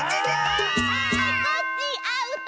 あコッシーアウト！